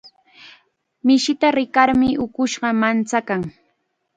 Mishita rikarmi ukushqa manchakan.